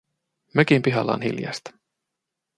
Mökin pihalla on hiljaista.